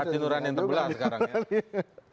hati nurani yang terbelah sekarang ya